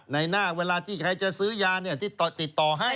ในหน้าเวลาที่ใครจะซื้อยาที่ติดต่อให้